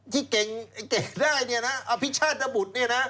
ที่เก่งเก่งได้นี่นะอภิกชาติจะบุตรนี่นะ